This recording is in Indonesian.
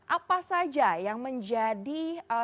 apa saja yang menjadi